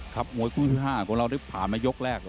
มวยคู่ที่๕ของเราได้ผ่านมายกแรก